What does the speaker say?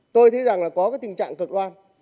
tôi thấy rằng có tình trạng cực đoan